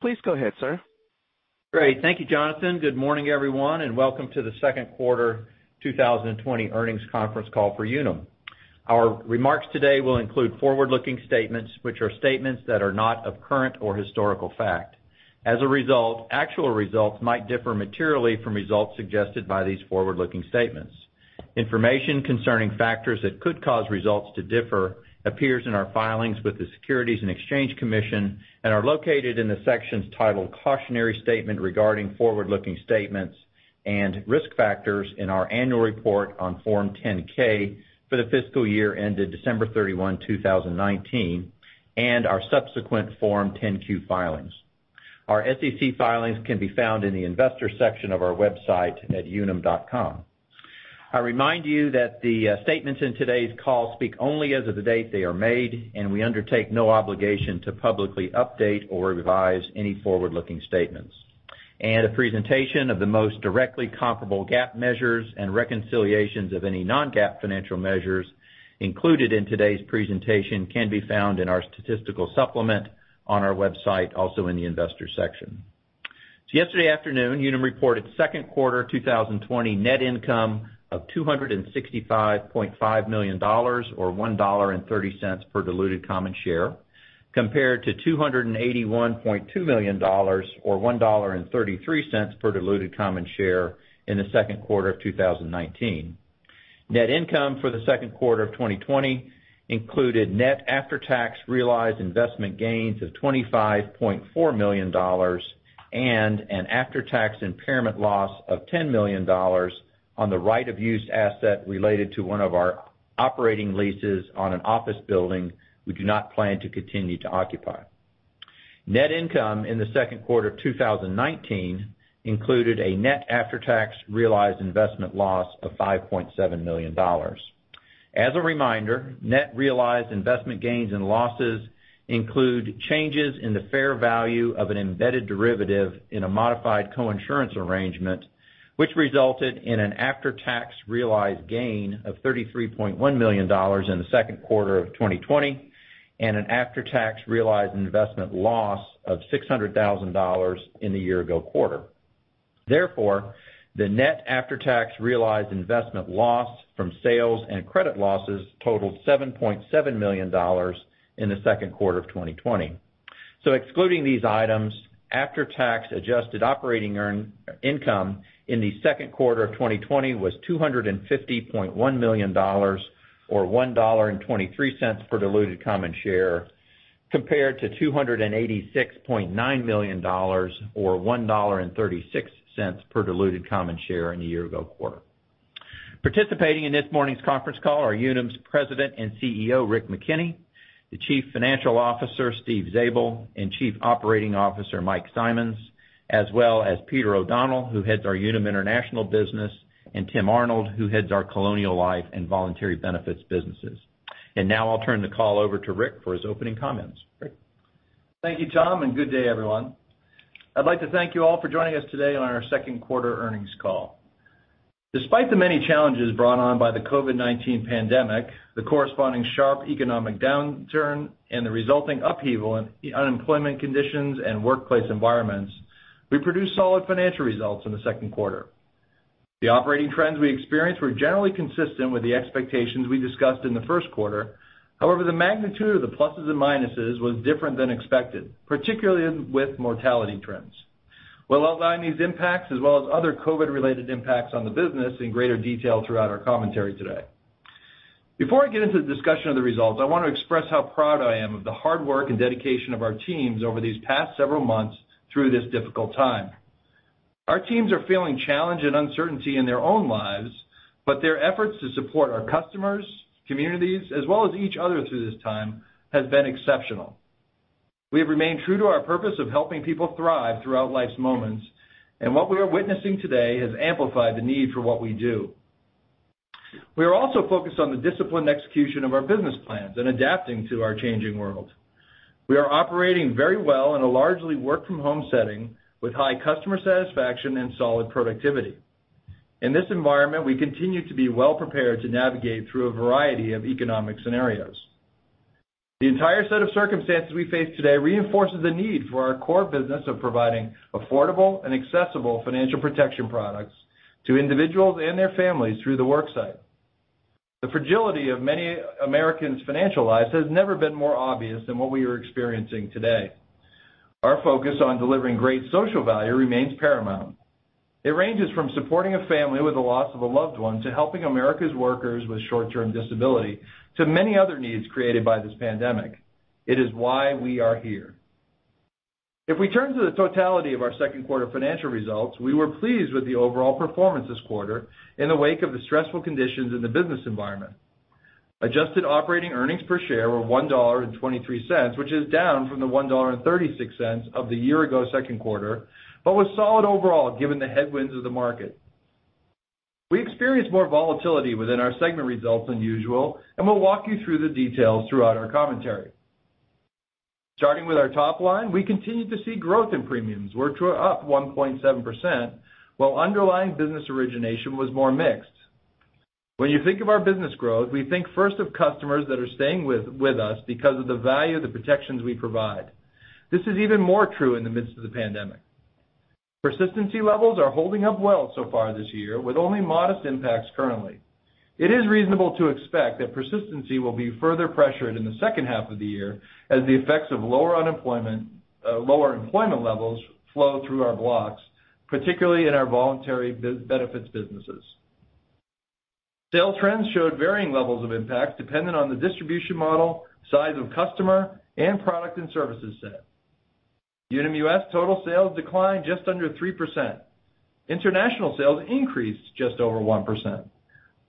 Please go ahead, sir. Great. Thank you, Jonathan. Welcome to the second quarter 2020 earnings conference call for Unum. Our remarks today will include forward-looking statements, which are statements that are not of current or historical fact. As a result, actual results might differ materially from results suggested by these forward-looking statements. Information concerning factors that could cause results to differ appears in our filings with the Securities and Exchange Commission and are located in the sections titled "Cautionary Statement regarding forward-looking statements" and "Risk factors" in our annual report on Form 10-K for the fiscal year ended December 31, 2019, and our subsequent Form 10-Q filings. Our SEC filings can be found in the investor section of our website at unum.com. I remind you that the statements in today's call speak only as of the date they are made, we undertake no obligation to publicly update or revise any forward-looking statements. A presentation of the most directly comparable GAAP measures and reconciliations of any non-GAAP financial measures included in today's presentation can be found in our statistical supplement on our website, also in the investor section. Yesterday afternoon, Unum reported second quarter 2020 net income of $265.5 million, or $1.30 per diluted common share, compared to $281.2 million or $1.33 per diluted common share in the second quarter of 2019. Net income for the second quarter of 2020 included net after-tax realized investment gains of $25.4 million and an after-tax impairment loss of $10 million on the right of use asset related to one of our operating leases on an office building we do not plan to continue to occupy. Net income in the second quarter of 2019 included a net after-tax realized investment loss of $5.7 million. As a reminder, net realized investment gains and losses include changes in the fair value of an embedded derivative in a modified coinsurance arrangement, which resulted in an after-tax realized gain of $33.1 million in the second quarter of 2020, and an after-tax realized investment loss of $600,000 in the year-ago quarter. The net after-tax realized investment loss from sales and credit losses totaled $7.7 million in the second quarter of 2020. Excluding these items, after-tax adjusted operating income in the second quarter of 2020 was $250.1 million or $1.23 per diluted common share, compared to $286.9 million or $1.36 per diluted common share in the year-ago quarter. Participating in this morning's conference call are Unum's President and CEO, Rick McKenney, the Chief Financial Officer, Steven Zabel, and Chief Operating Officer, Michael Simonds, as well as Peter O'Donnell, who heads our Unum International business, and Tim Arnold, who heads our Colonial Life and Voluntary Benefits businesses. Now I'll turn the call over to Rick for his opening comments. Rick? Thank you, Tom, and good day, everyone. I'd like to thank you all for joining us today on our second quarter earnings call. Despite the many challenges brought on by the COVID-19 pandemic, the corresponding sharp economic downturn, and the resulting upheaval in unemployment conditions and workplace environments, we produced solid financial results in the second quarter. The operating trends we experienced were generally consistent with the expectations we discussed in the first quarter. However, the magnitude of the pluses and minuses was different than expected, particularly with mortality trends. We'll outline these impacts as well as other COVID-related impacts on the business in greater detail throughout our commentary today. Before I get into the discussion of the results, I want to express how proud I am of the hard work and dedication of our teams over these past several months through this difficult time. Our teams are feeling challenge and uncertainty in their own lives, but their efforts to support our customers, communities, as well as each other through this time has been exceptional. We have remained true to our purpose of helping people thrive throughout life's moments, and what we are witnessing today has amplified the need for what we do. We are also focused on the disciplined execution of our business plans and adapting to our changing world. We are operating very well in a largely work-from-home setting with high customer satisfaction and solid productivity. In this environment, we continue to be well prepared to navigate through a variety of economic scenarios. The entire set of circumstances we face today reinforces the need for our core business of providing affordable and accessible financial protection products to individuals and their families through the worksite. The fragility of many Americans' financial lives has never been more obvious than what we are experiencing today. Our focus on delivering great social value remains paramount. It ranges from supporting a family with the loss of a loved one, to helping America's workers with short-term disability, to many other needs created by this pandemic. It is why we are here. If we turn to the totality of our second quarter financial results, we were pleased with the overall performance this quarter in the wake of the stressful conditions in the business environment. Adjusted operating earnings per share were $1.23, which is down from the $1.36 of the year-ago second quarter, but was solid overall given the headwinds of the market. We experienced more volatility within our segment results than usual, and we'll walk you through the details throughout our commentary. Starting with our top line, we continued to see growth in premiums, which were up 1.7%, while underlying business origination was more mixed. When you think of our business growth, we think first of customers that are staying with us because of the value of the protections we provide. This is even more true in the midst of the pandemic. Persistency levels are holding up well so far this year, with only modest impacts currently. It is reasonable to expect that persistency will be further pressured in the second half of the year as the effects of lower employment levels flow through our blocks, particularly in our voluntary benefits businesses. Sale trends showed varying levels of impact dependent on the distribution model, size of customer, and product and services set. Unum US total sales declined just under 3%. International sales increased just over 1%,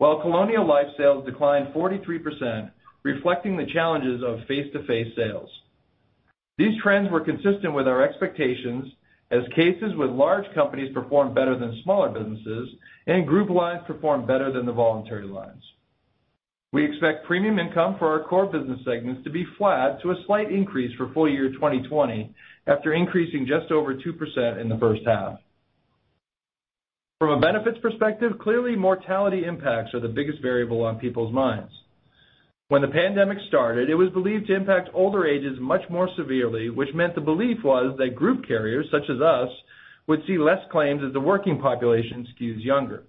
while Colonial Life sales declined 43%, reflecting the challenges of face-to-face sales. These trends were consistent with our expectations as cases with large companies performed better than smaller businesses and group lines performed better than the voluntary lines. We expect premium income for our core business segments to be flat to a slight increase for full year 2020 after increasing just over 2% in the first half. From a benefits perspective, clearly mortality impacts are the biggest variable on people's minds. When the pandemic started, it was believed to impact older ages much more severely, which meant the belief was that group carriers such as us would see less claims as the working population skews younger.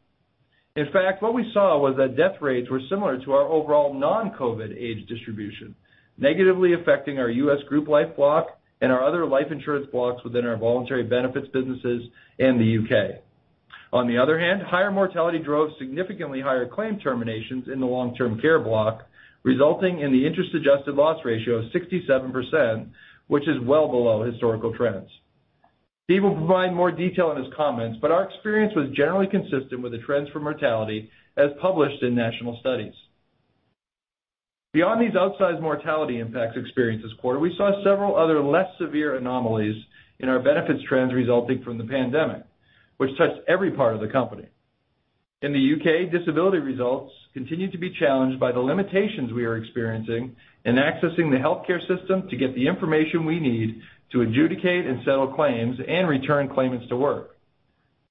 In fact, what we saw was that death rates were similar to our overall non-COVID age distribution, negatively affecting our U.S. Group Life block and our other life insurance blocks within our voluntary benefits businesses in the U.K. On the other hand, higher mortality drove significantly higher claim terminations in the long-term care block, resulting in the interest-adjusted loss ratio of 67%, which is well below historical trends. Steve will provide more detail in his comments, but our experience was generally consistent with the trends for mortality as published in national studies. Beyond these outsized mortality impacts experienced this quarter, we saw several other less severe anomalies in our benefits trends resulting from the pandemic, which touched every part of the company. In the U.K., disability results continued to be challenged by the limitations we are experiencing in accessing the healthcare system to get the information we need to adjudicate and settle claims and return claimants to work.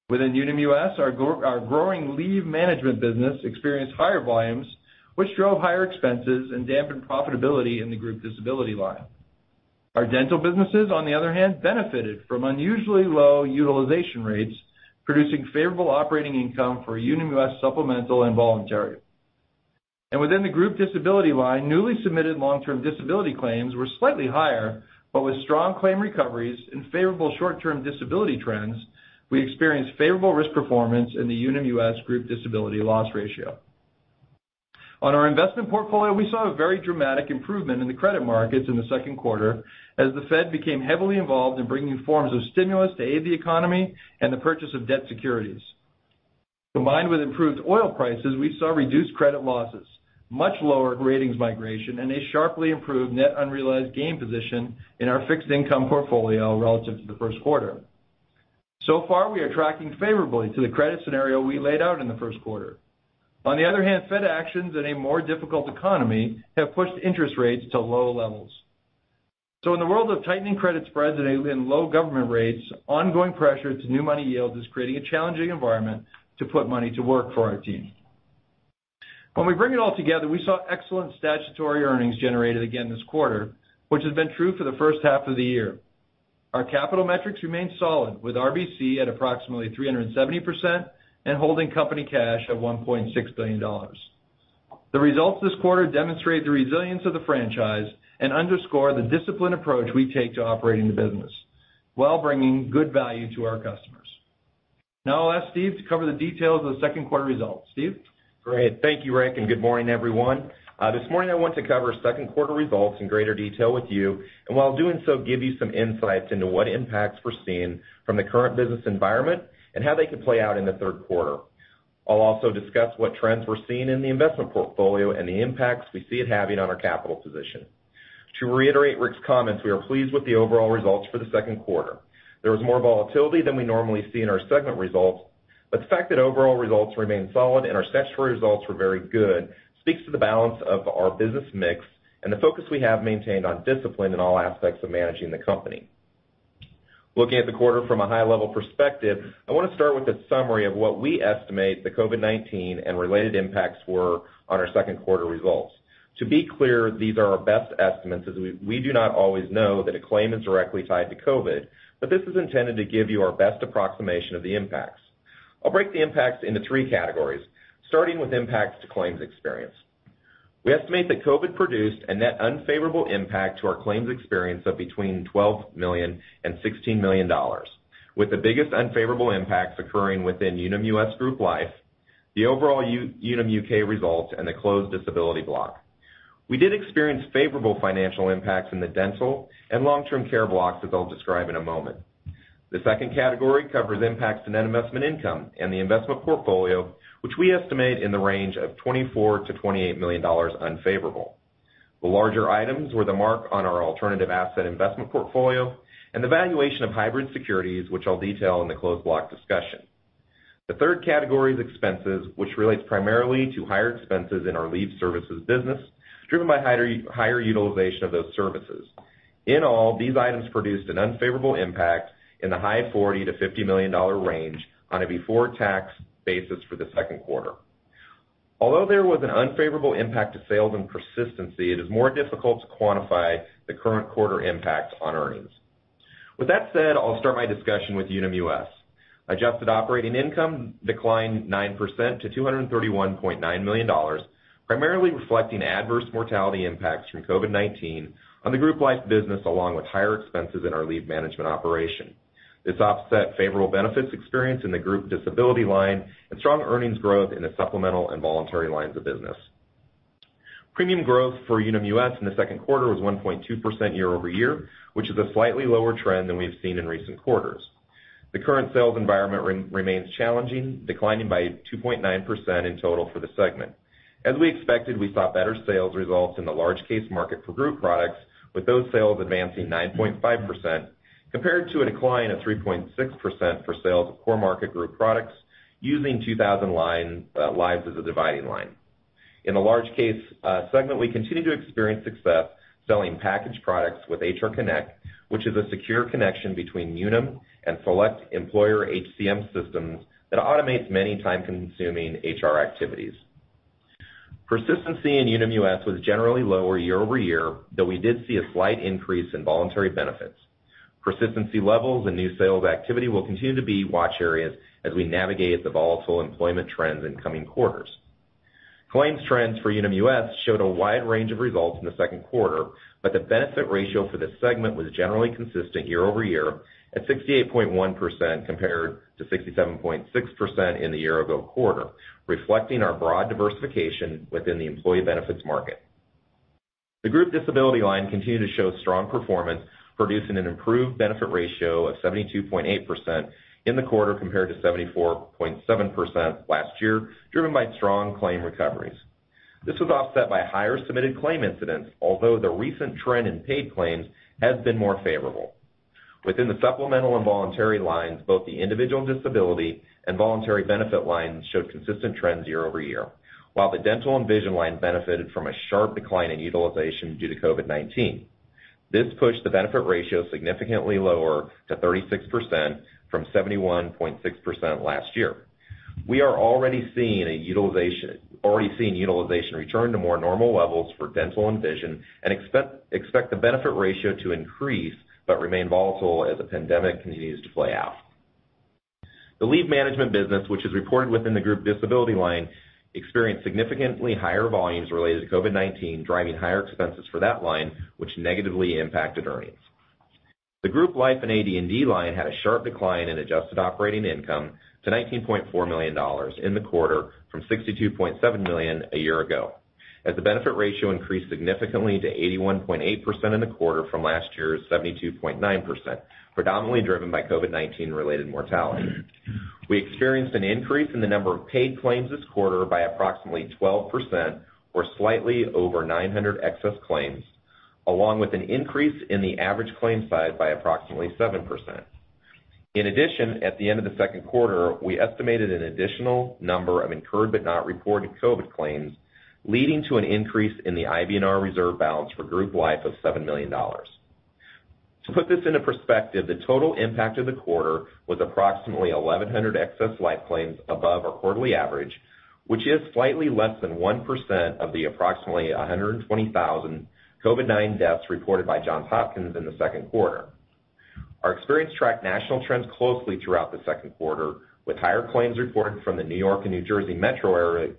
Within Unum US, our growing leave management business experienced higher volumes, which drove higher expenses and dampened profitability in the group disability line. Our dental businesses, on the other hand, benefited from unusually low utilization rates, producing favorable operating income for Unum US supplemental and voluntary. Within the group disability line, newly submitted long-term disability claims were slightly higher, but with strong claim recoveries and favorable short-term disability trends, we experienced favorable risk performance in the Unum US group disability loss ratio. On our investment portfolio, we saw a very dramatic improvement in the credit markets in the second quarter as the Fed became heavily involved in bringing forms of stimulus to aid the economy and the purchase of debt securities. Combined with improved oil prices, we saw reduced credit losses, much lower ratings migration, and a sharply improved net unrealized gain position in our fixed income portfolio relative to the first quarter. So far, we are tracking favorably to the credit scenario we laid out in the first quarter. On the other hand, Fed actions in a more difficult economy have pushed interest rates to low levels. In the world of tightening credit spreads and low government rates, ongoing pressure to new money yield is creating a challenging environment to put money to work for our team. When we bring it all together, we saw excellent statutory earnings generated again this quarter, which has been true for the first half of the year. Our capital metrics remain solid, with RBC at approximately 370% and holding company cash at $1.6 billion. The results this quarter demonstrate the resilience of the franchise and underscore the disciplined approach we take to operating the business while bringing good value to our customers. I'll ask Steve to cover the details of the second quarter results. Steve? Great. Thank you, Rick, good morning, everyone. This morning I want to cover second quarter results in greater detail with you, while doing so, give you some insights into what impacts we're seeing from the current business environment and how they could play out in the third quarter. I'll also discuss what trends we're seeing in the investment portfolio and the impacts we see it having on our capital position. To reiterate Rick's comments, we are pleased with the overall results for the second quarter. There was more volatility than we normally see in our segment results, the fact that overall results remained solid and our statutory results were very good speaks to the balance of our business mix and the focus we have maintained on discipline in all aspects of managing the company. Looking at the quarter from a high-level perspective, I want to start with a summary of what we estimate the COVID-19 and related impacts were on our second quarter results. To be clear, these are our best estimates as we do not always know that a claim is directly tied to COVID, but this is intended to give you our best approximation of the impacts. I'll break the impacts into three categories, starting with impacts to claims experience. We estimate that COVID produced a net unfavorable impact to our claims experience of between $12 million and $16 million, with the biggest unfavorable impacts occurring within Unum US Group Life, the overall Unum UK results, and the closed disability block. We did experience favorable financial impacts in the dental and long-term care blocks that I'll describe in a moment. The second category covers impacts to net investment income and the investment portfolio, which we estimate in the range of $24 million-$28 million unfavorable. The larger items were the mark on our alternative asset investment portfolio and the valuation of hybrid securities, which I'll detail in the closed block discussion. The third category is expenses, which relates primarily to higher expenses in our leave services business, driven by higher utilization of those services. In all, these items produced an unfavorable impact in the high $40 million-$50 million range on a before tax basis for the second quarter. Although there was an unfavorable impact to sales and persistency, it is more difficult to quantify the current quarter impact on earnings. With that said, I'll start my discussion with Unum US. Adjusted operating income declined 9% to $231.9 million, primarily reflecting adverse mortality impacts from COVID-19 on the group life business, along with higher expenses in our leave management operation. This offset favorable benefits experienced in the group disability line and strong earnings growth in the supplemental and voluntary lines of business. Premium growth for Unum US in the second quarter was 1.2% year-over-year, which is a slightly lower trend than we've seen in recent quarters. The current sales environment remains challenging, declining by 2.9% in total for the segment. As we expected, we saw better sales results in the large case market for group products, with those sales advancing 9.5%, compared to a decline of 3.6% for sales of core market group products using 2,000 lives as a dividing line. In the large case segment, we continue to experience success selling packaged products with Unum HR Connect, which is a secure connection between Unum and select employer HCM systems that automates many time-consuming HR activities. Persistency in Unum US was generally lower year-over-year, though we did see a slight increase in voluntary benefits. Persistency levels and new sales activity will continue to be watch areas as we navigate the volatile employment trends in coming quarters. Claims trends for Unum US showed a wide range of results in the second quarter, but the benefit ratio for this segment was generally consistent year-over-year at 68.1% compared to 67.6% in the year ago quarter, reflecting our broad diversification within the employee benefits market. The group disability line continued to show strong performance, producing an improved benefit ratio of 72.8% in the quarter compared to 74.7% last year, driven by strong claim recoveries. This was offset by higher submitted claim incidents, although the recent trend in paid claims has been more favorable. Within the supplemental and voluntary lines, both the individual disability and voluntary benefit lines showed consistent trends year-over-year, while the dental and vision lines benefited from a sharp decline in utilization due to COVID-19. This pushed the benefit ratio significantly lower to 36% from 71.6% last year. We are already seeing utilization return to more normal levels for dental and vision and expect the benefit ratio to increase but remain volatile as the pandemic continues to play out. The leave management business, which is reported within the group disability line, experienced significantly higher volumes related to COVID-19, driving higher expenses for that line, which negatively impacted earnings. The group life and AD&D line had a sharp decline in adjusted operating income to $19.4 million in the quarter from $62.7 million a year ago, as the benefit ratio increased significantly to 81.8% in the quarter from last year's 72.9%, predominantly driven by COVID-19 related mortality. We experienced an increase in the number of paid claims this quarter by approximately 12%, or slightly over 900 excess claims, along with an increase in the average claim size by approximately 7%. In addition, at the end of the second quarter, we estimated an additional number of incurred but not reported COVID claims, leading to an increase in the IBNR reserve balance for group life of $7 million. To put this into perspective, the total impact of the quarter was approximately 1,100 excess life claims above our quarterly average, which is slightly less than 1% of the approximately 120,000 COVID-19 deaths reported by Johns Hopkins in the second quarter. Our experience tracked national trends closely throughout the second quarter, with higher claims reported from the New York and New Jersey metro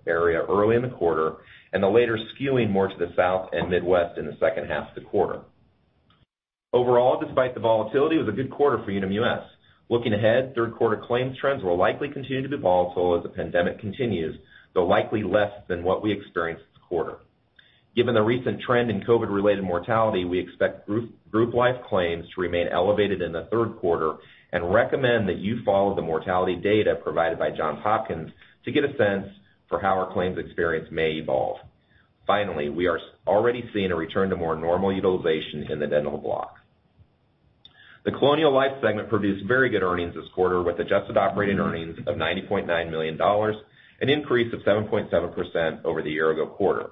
area early in the quarter, and the later skewing more to the South and Midwest in the second half of the quarter. Overall, despite the volatility, it was a good quarter for Unum US. Looking ahead, third quarter claims trends will likely continue to be volatile as the pandemic continues, though likely less than what we experienced this quarter. Given the recent trend in COVID related mortality, we expect group life claims to remain elevated in the third quarter and recommend that you follow the mortality data provided by Johns Hopkins to get a sense for how our claims experience may evolve. Finally, we are already seeing a return to more normal utilization in the dental block. The Colonial Life segment produced very good earnings this quarter with adjusted operating earnings of $90.9 million, an increase of 7.7% over the year ago quarter.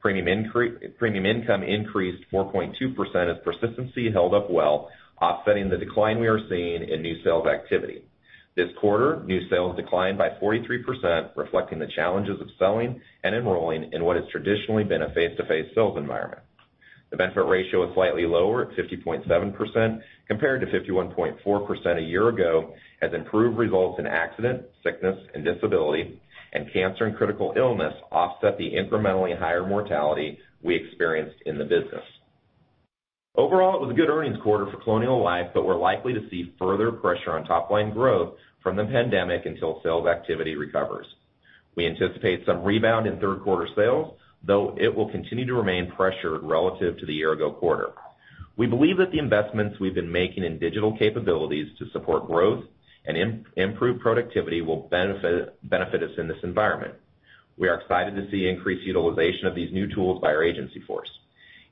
Premium income increased 4.2% as persistency held up well, offsetting the decline we are seeing in new sales activity. This quarter, new sales declined by 43%, reflecting the challenges of selling and enrolling in what has traditionally been a face-to-face sales environment. The benefit ratio is slightly lower at 50.7% compared to 51.4% a year ago as improved results in accident, sickness and disability, and cancer and critical illness offset the incrementally higher mortality we experienced in the business. Overall, despite the volatility, it was a good earnings quarter for Colonial Life, but we're likely to see further pressure on top line growth from the pandemic until sales activity recovers. We anticipate some rebound in third quarter sales, though it will continue to remain pressured relative to the year ago quarter. We believe that the investments we've been making in digital capabilities to support growth and improve productivity will benefit us in this environment. We are excited to see increased utilization of these new tools by our agency force.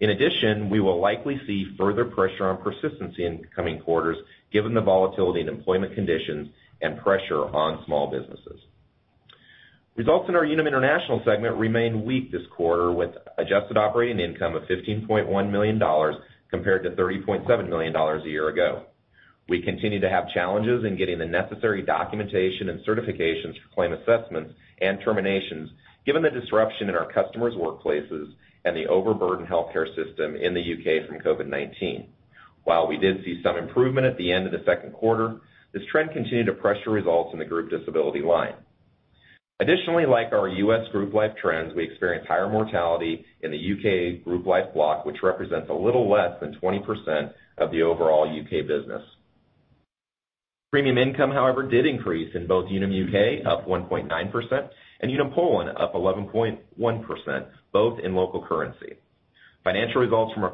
In addition, we will likely see further pressure on persistency in coming quarters given the volatility in employment conditions and pressure on small businesses. Results in our Unum International segment remained weak this quarter with adjusted operating income of $15.1 million compared to $30.7 million a year ago. We continue to have challenges in getting the necessary documentation and certifications for claim assessments and terminations, given the disruption in our customers' workplaces and the overburdened healthcare system in the U.K. from COVID-19. While we did see some improvement at the end of the second quarter, this trend continued to pressure results in the group disability line. Additionally, like our U.S. Group Life trends, we experienced higher mortality in the U.K. Group Life block, which represents a little less than 20% of the overall U.K. business. Premium income, however, did increase in both Unum UK, up 1.9%, and Unum Poland, up 11.1%, both in local currency. Financial results from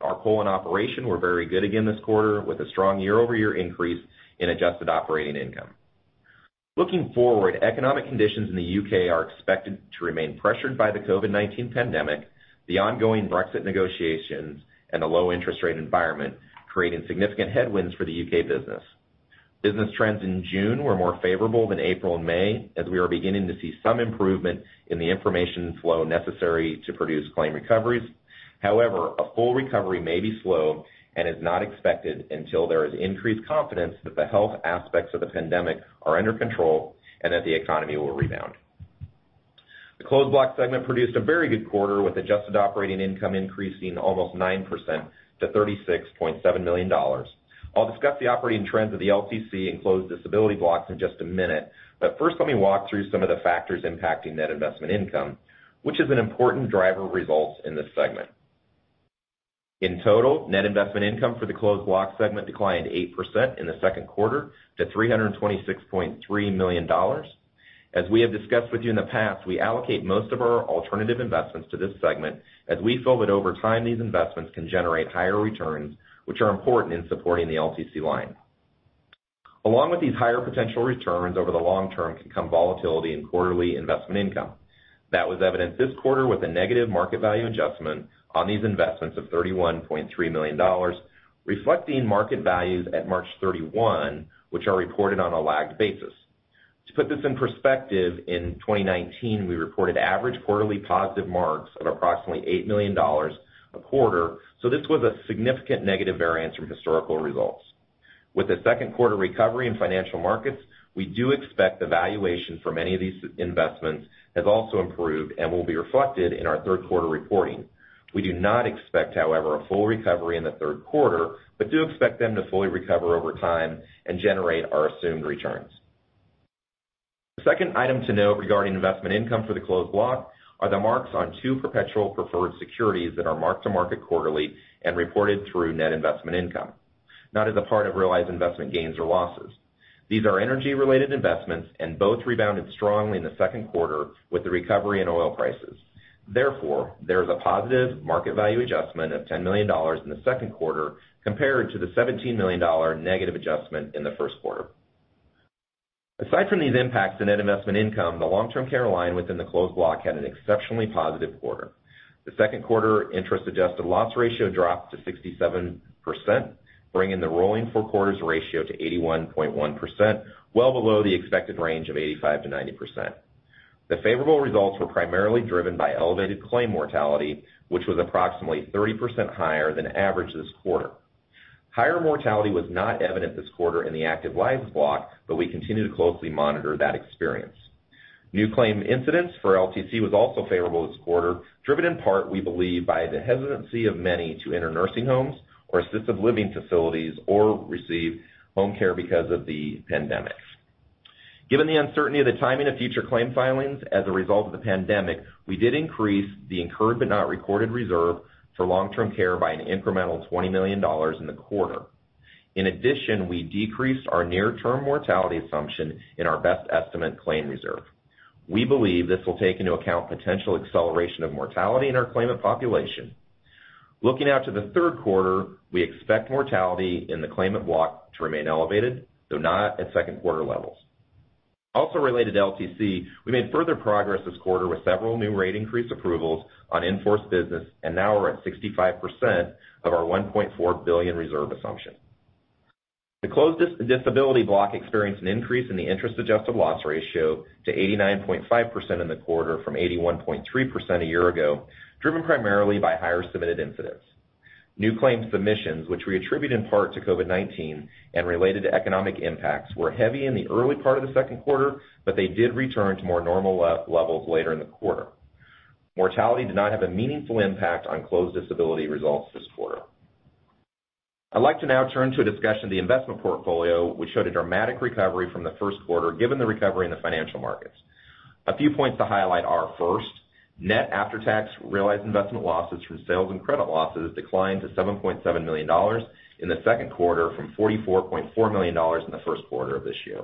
our Poland operation were very good again this quarter, with a strong year-over-year increase in adjusted operating income. Looking forward, economic conditions in the U.K. are expected to remain pressured by the COVID-19 pandemic, the ongoing Brexit negotiations, and a low interest rate environment, creating significant headwinds for the U.K. business. Business trends in June were more favorable than April and May, as we are beginning to see some improvement in the information flow necessary to produce claim recoveries. However, a full recovery may be slow, and is not expected until there is increased confidence that the health aspects of the pandemic are under control, and that the economy will rebound. The closed block segment produced a very good quarter, with adjusted operating income increasing almost 9% to $36.7 million. I'll discuss the operating trends of the LTC and closed disability blocks in just a minute, but first let me walk through some of the factors impacting net investment income, which is an important driver of results in this segment. In total, net investment income for the closed block segment declined 8% in the second quarter to $326.3 million. As we have discussed with you in the past, we allocate most of our alternative investments to this segment, as we feel that over time, these investments can generate higher returns, which are important in supporting the LTC line. Along with these higher potential returns over the long term can come volatility in quarterly investment income. That was evident this quarter with a negative market value adjustment on these investments of $31.3 million, reflecting market values at March 31, which are reported on a lagged basis. To put this in perspective, in 2019, we reported average quarterly positive marks of approximately $8 million a quarter, so this was a significant negative variance from historical results. With the second quarter recovery in financial markets, we do expect the valuation for many of these investments has also improved, and will be reflected in our third quarter reporting. We do not expect, however, a full recovery in the third quarter, but do expect them to fully recover over time and generate our assumed returns. The second item to note regarding investment income for the closed block are the marks on two perpetual preferred securities that are marked to market quarterly and reported through net investment income, not as a part of realized investment gains or losses. These are energy-related investments, and both rebounded strongly in the second quarter with the recovery in oil prices. There is a positive market value adjustment of $10 million in the second quarter compared to the $17 million negative adjustment in the first quarter. Aside from these impacts on net investment income, the Long-Term Care line within the closed block had an exceptionally positive quarter. The second quarter interest-adjusted loss ratio dropped to 67%, bringing the rolling four quarters ratio to 81.1%, well below the expected range of 85%-90%. The favorable results were primarily driven by elevated claim mortality, which was approximately 30% higher than average this quarter. Higher mortality was not evident this quarter in the active lives block, but we continue to closely monitor that experience. New claim incidents for LTC was also favorable this quarter, driven in part, we believe, by the hesitancy of many to enter nursing homes or assisted living facilities, or receive home care because of the pandemic. Given the uncertainty of the timing of future claim filings as a result of the pandemic, we did increase the incurred but not recorded reserve for Long-Term Care by an incremental $20 million in the quarter. In addition, we decreased our near-term mortality assumption in our best estimate claim reserve. We believe this will take into account potential acceleration of mortality in our claimant population. Looking out to the third quarter, we expect mortality in the claimant block to remain elevated, though not at second quarter levels. Also related to LTC, we made further progress this quarter with several new rate increase approvals on in-force business, and now we're at 65% of our $1.4 billion reserve assumption. The closed disability block experienced an increase in the interest-adjusted loss ratio to 89.5% in the quarter from 81.3% a year ago, driven primarily by higher submitted incidents. New claim submissions, which we attribute in part to COVID-19 and related economic impacts, were heavy in the early part of the second quarter, but they did return to more normal levels later in the quarter. Mortality did not have a meaningful impact on closed disability results this quarter. I'd like to now turn to a discussion of the investment portfolio, which showed a dramatic recovery from the first quarter, given the recovery in the financial markets. A few points to highlight are, first, net after-tax realized investment losses from sales and credit losses declined to $7.7 million in the second quarter from $44.4 million in the first quarter of this year.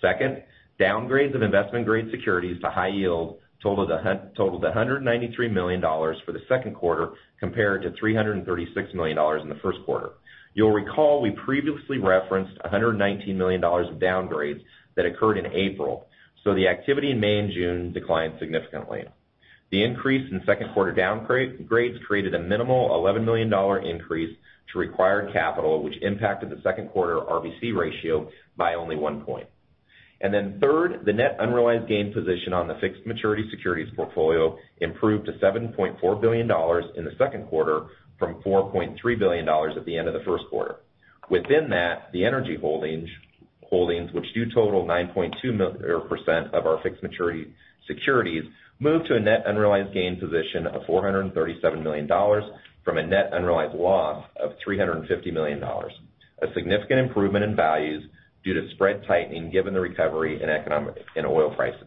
Second, downgrades of investment-grade securities to high yield totaled $193 million for the second quarter, compared to $336 million in the first quarter. You'll recall we previously referenced $119 million of downgrades that occurred in April, the activity in May and June declined significantly. The increase in second quarter downgrades created a minimal $11 million increase to required capital, which impacted the second quarter RBC ratio by only one point. Third, the net unrealized gain position on the fixed maturity securities portfolio improved to $7.4 billion in the second quarter from $4.3 billion at the end of the first quarter. Within that, the energy holdings, which do total 9.2% of our fixed maturity securities, moved to a net unrealized gain position of $437 million from a net unrealized loss of $350 million. A significant improvement in values due to spread tightening given the recovery in oil prices.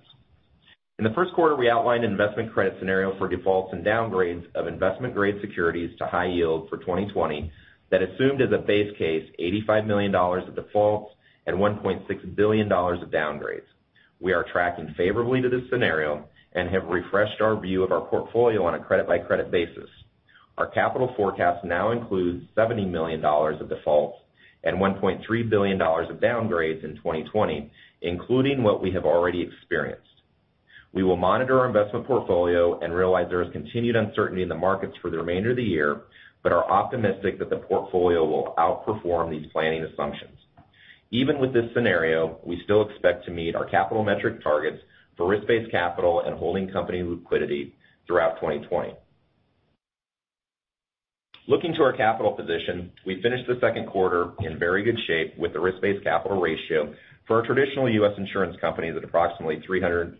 In the first quarter, we outlined an investment credit scenario for defaults and downgrades of investment-grade securities to high yield for 2020 that assumed as a base case, $85 million of defaults and $1.6 billion of downgrades. We are tracking favorably to this scenario and have refreshed our view of our portfolio on a credit-by-credit basis. Our capital forecast now includes $70 million of defaults and $1.3 billion of downgrades in 2020, including what we have already experienced. We will monitor our investment portfolio and realize there is continued uncertainty in the markets for the remainder of the year, but are optimistic that the portfolio will outperform these planning assumptions. Even with this scenario, we still expect to meet our capital metric targets for risk-based capital and holding company liquidity throughout 2020. Looking to our capital position, we finished the second quarter in very good shape with the risk-based capital ratio for our traditional U.S. insurance companies at approximately 370%,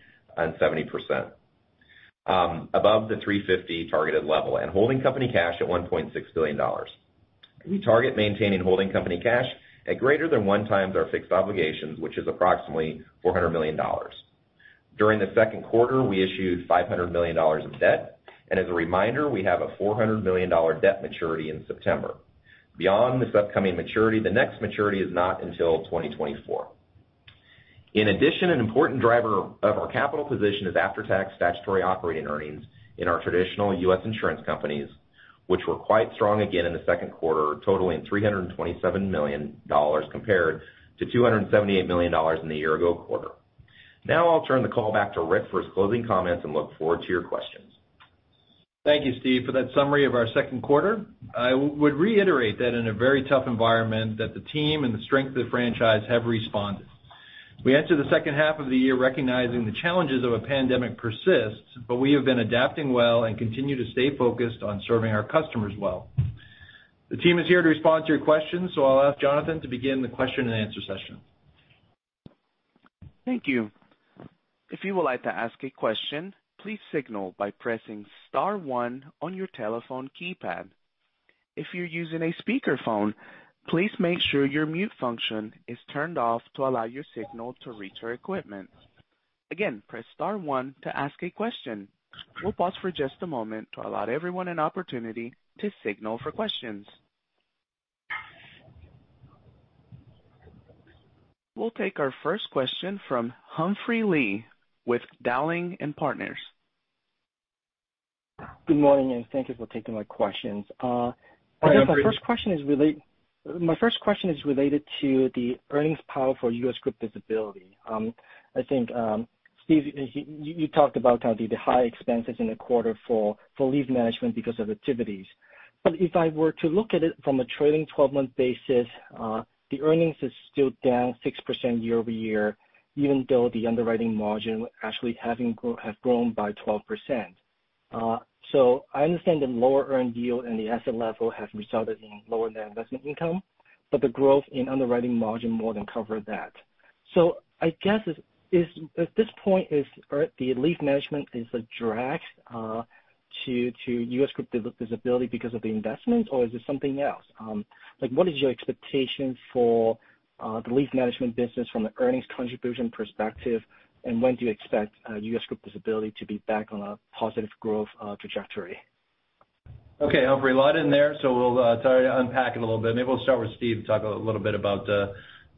above the 350 targeted level, and holding company cash at $1.6 billion. We target maintaining holding company cash at greater than one times our fixed obligations, which is approximately $400 million. During the second quarter, we issued $500 million of debt, and as a reminder, we have a $400 million debt maturity in September. Beyond this upcoming maturity, the next maturity is not until 2024. In addition, an important driver of our capital position is after-tax statutory operating earnings in our traditional U.S. insurance companies, which were quite strong again in the second quarter, totaling $327 million compared to $278 million in the year-ago quarter. I'll turn the call back to Rick for his closing comments and look forward to your questions. Thank you, Steve, for that summary of our second quarter. I would reiterate that in a very tough environment, that the team and the strength of the franchise have responded. We enter the second half of the year recognizing the challenges of a pandemic persist, but we have been adapting well and continue to stay focused on serving our customers well. The team is here to respond to your questions, so I'll ask Jonathan to begin the question and answer session. Thank you. If you would like to ask a question, please signal by pressing *1 on your telephone keypad. If you're using a speakerphone, please make sure your mute function is turned off to allow your signal to reach our equipment. Again, press *1 to ask a question. We'll pause for just a moment to allow everyone an opportunity to signal for questions. We'll take our first question from Humphrey Lee with Dowling & Partners. Good morning, and thank you for taking my questions. Hi, Humphrey. My first question is related to the earnings power for U.S. Group Disability. I think, Steve, you talked about kind of the high expenses in the quarter for leave management because of activities. If I were to look at it from a trailing 12-month basis, the earnings is still down 6% year-over-year, even though the underwriting margin actually has grown by 12%. I understand the lower earn yield and the asset level have resulted in lower net investment income, but the growth in underwriting margin more than covered that. I guess, at this point, the leave management is a drag to U.S. Group Disability because of the investment, or is it something else? What is your expectation for the leave management business from an earnings contribution perspective? When do you expect U.S. Group Disability to be back on a positive growth trajectory? Okay, Humphrey, a lot in there. We'll try to unpack it a little bit. Maybe we'll start with Steve to talk a little bit about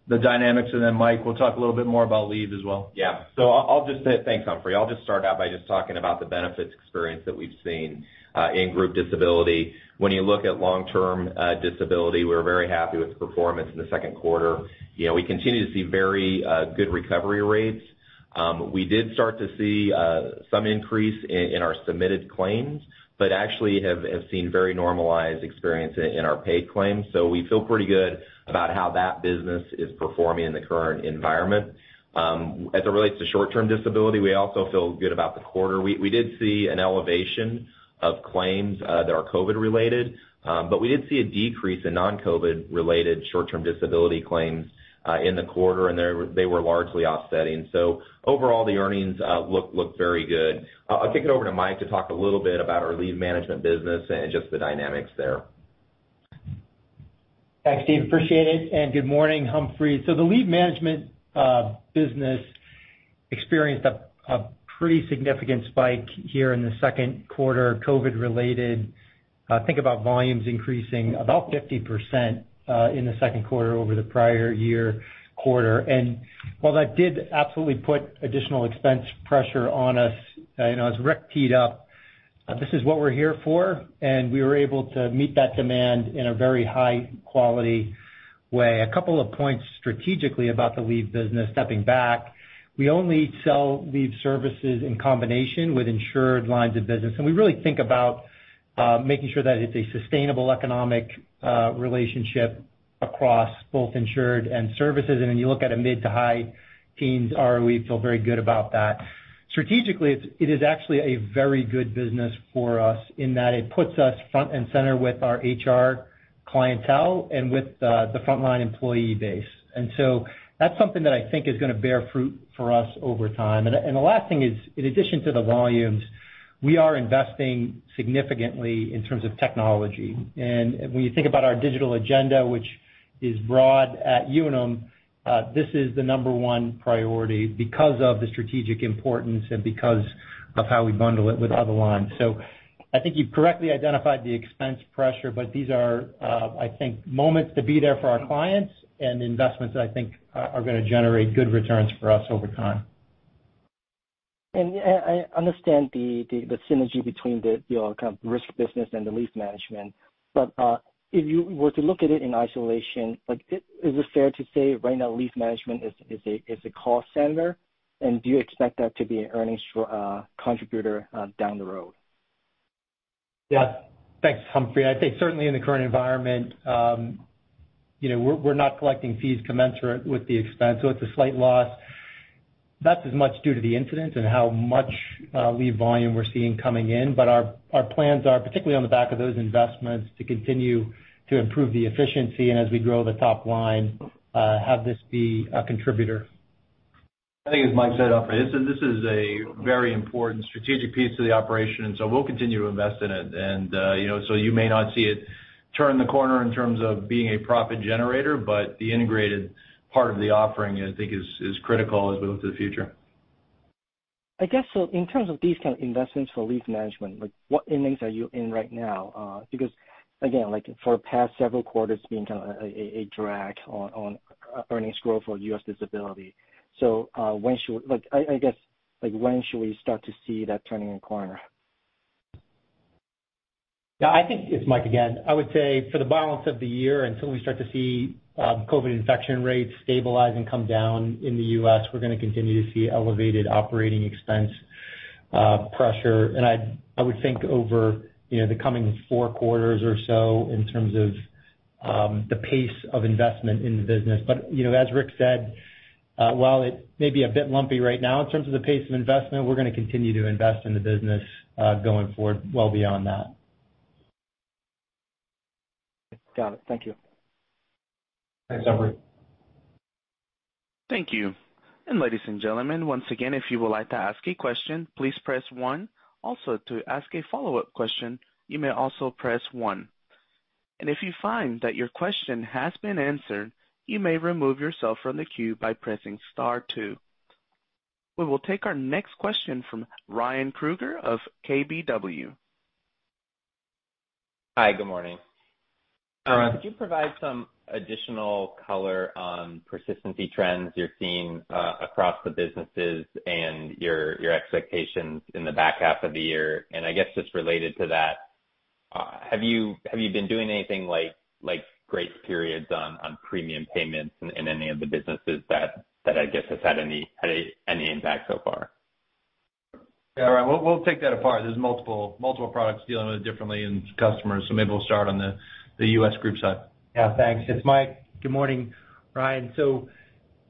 the dynamics. Then Mike will talk a little bit more about leave as well. Yeah. Thanks, Humphrey. I'll just start out by just talking about the benefits experience that we've seen in group disability. When you look at long-term disability, we're very happy with the performance in the second quarter. We continue to see very good recovery rates. We did start to see some increase in our submitted claims. Actually have seen very normalized experience in our paid claims. We feel pretty good about how that business is performing in the current environment. As it relates to short-term disability, we also feel good about the quarter. We did see an elevation of claims that are COVID related. We did see a decrease in non-COVID related short-term disability claims in the quarter. They were largely offsetting. Overall, the earnings look very good. I'll kick it over to Mike to talk a little bit about our leave management business and just the dynamics there. Thanks, Steve, appreciate it. Good morning, Humphrey. The leave management business experienced a pretty significant spike here in the second quarter, COVID related. Think about volumes increasing about 50% in the second quarter over the prior year quarter. While that did absolutely put additional expense pressure on us, as Rick teed up, this is what we're here for. We were able to meet that demand in a very high-quality way. A couple of points strategically about the leave business, stepping back. We only sell leave services in combination with insured lines of business. We really think about making sure that it's a sustainable economic relationship across both insured and services. When you look at a mid to high teens ROE, feel very good about that. Strategically, it is actually a very good business for us in that it puts us front and center with our HR clientele and with the frontline employee base. That's something that I think is going to bear fruit for us over time. The last thing is, in addition to the volumes, we are investing significantly in terms of technology. When you think about our digital agenda, which is broad at Unum, this is the number one priority because of the strategic importance and because of how we bundle it with other lines. I think you've correctly identified the expense pressure, but these are, I think, moments to be there for our clients and investments that I think are going to generate good returns for us over time. I understand the synergy between the kind of risk business and the leave management. If you were to look at it in isolation, is it fair to say right now leave management is a cost center, and do you expect that to be an earnings contributor down the road? Thanks, Humphrey. I think certainly in the current environment, we're not collecting fees commensurate with the expense, so it's a slight loss. That's as much due to the incident and how much leave volume we're seeing coming in. Our plans are, particularly on the back of those investments, to continue to improve the efficiency, and as we grow the top line, have this be a contributor. I think, as Mike said, Humphrey, this is a very important strategic piece to the operation, we'll continue to invest in it. You may not see it turn the corner in terms of being a profit generator, the integrated part of the offering, I think, is critical as we look to the future. I guess in terms of these kind of investments for leave management, what innings are you in right now? Because, again, for the past several quarters, it's been kind of a drag on earnings growth for U.S. Disability. I guess, when should we start to see that turning a corner? I think, it's Mike again, I would say for the balance of the year, until we start to see COVID infection rates stabilize and come down in the U.S., we're going to continue to see elevated operating expense pressure. I would think over the coming four quarters or so in terms of the pace of investment in the business. As Rick said, while it may be a bit lumpy right now in terms of the pace of investment, we're going to continue to invest in the business going forward, well beyond that. Got it. Thank you. Thanks, Humphrey. Thank you. Ladies and gentlemen, once again, if you would like to ask a question, please press one. To ask a follow-up question, you may also press one. If you find that your question has been answered, you may remove yourself from the queue by pressing star two. We will take our next question from Ryan Krueger of KBW. Hi, good morning. Hi, Ryan. Could you provide some additional color on persistency trends you're seeing across the businesses and your expectations in the back half of the year? I guess just related to that, have you been doing anything like grace periods on premium payments in any of the businesses that I guess has had any impact so far? Yeah, Ryan. We'll take that apart. There's multiple products dealing with it differently and customers. Maybe we'll start on the U.S. Group side. Yeah. Thanks. It's Mike. Good morning, Ryan.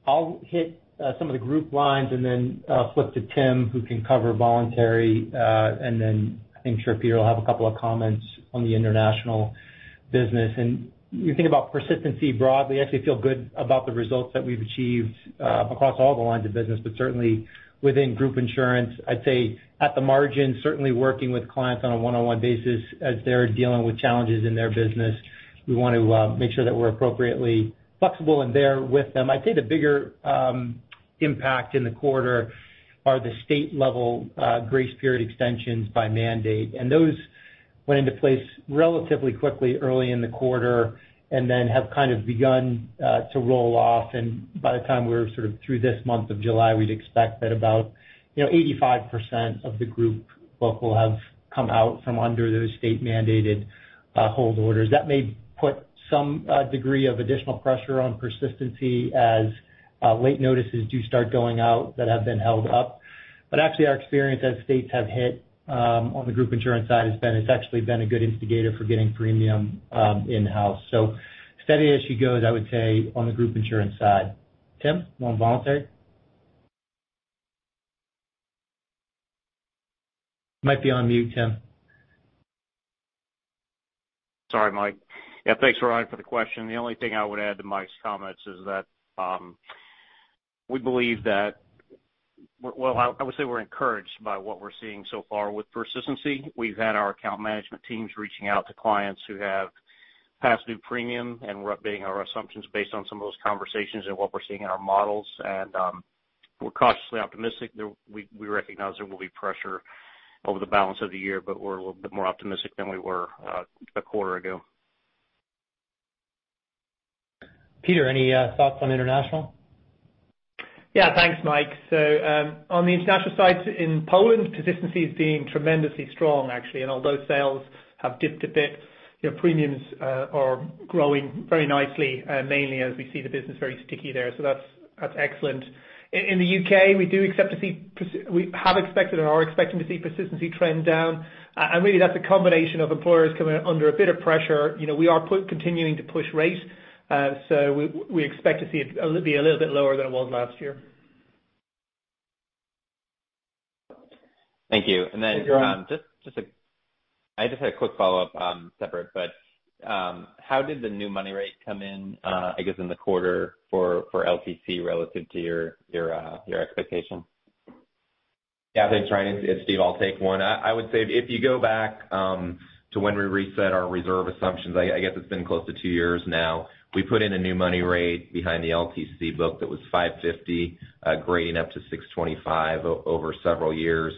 I'll hit some of the Group lines. Then flip to Tim, who can cover Voluntary, and then I think sure Peter will have a couple of comments on the International business. You think about persistency broadly, I actually feel good about the results that we've achieved across all the lines of business, but certainly within Group insurance. I'd say at the margin, certainly working with clients on a one-on-one basis as they're dealing with challenges in their business. We want to make sure that we're appropriately flexible and there with them. I'd say the bigger impact in the quarter are the state-level grace period extensions by mandate. Those went into place relatively quickly early in the quarter. Then have kind of begun to roll off. By the time we're sort of through this month of July, we'd expect that about 85% of the Group book will have come out from under those state-mandated hold orders. That may put some degree of additional pressure on persistency as late notices do start going out that have been held up. Actually, our experience as states have hit on the Group insurance side has been it's actually been a good instigator for getting premium in-house. Steady as she goes, I would say, on the Group insurance side. Tim, you want Voluntary? Might be on mute, Tim. Sorry, Mike. Yeah, thanks, Ryan, for the question. The only thing I would add to Mike's comments is that we believe that well, I would say we're encouraged by what we're seeing so far with persistency. We've had our account management teams reaching out to clients who have past due premium. We're updating our assumptions based on some of those conversations and what we're seeing in our models. We're cautiously optimistic. We recognize there will be pressure over the balance of the year. We're a little bit more optimistic than we were a quarter ago. Peter, any thoughts on Unum International? Yeah, thanks, Michael. On the Unum International side, in Unum Poland, persistency has been tremendously strong actually. Although sales have dipped a bit, premiums are growing very nicely, mainly as we see the business very sticky there. That's excellent. In the U.K., we have expected and are expecting to see persistency trend down. Really that's a combination of employers coming under a bit of pressure. We are continuing to push rates, we expect to see it be a little bit lower than it was last year. Thank you. Thanks, Ryan. I just had a quick follow-up, separate. How did the new money rate come in, I guess, in the quarter for LTC relative to your expectation? Yeah. Thanks, Ryan. It's Steve. I'll take one. I would say if you go back to when we reset our reserve assumptions, I guess it's been close to two years now. We put in a new money rate behind the LTC book that was 550, grading up to 625 over several years.